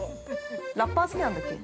◆ラッパー好きなんだっけ？